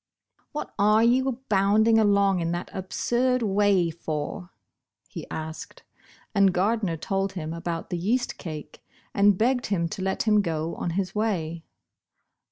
Bosh Bosh Oil. 19 ''What are you bounding along in that absurd way for?" he asked, and Gardner told him about the yeast cake and begged him to let him go on his way.